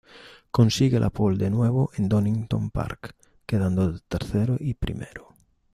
Consigue la pole de nuevo en Donington Park, quedando tercero y primero.